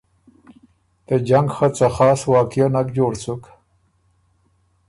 ته جنګ خه څه خاص واقعه نک جوړ سُک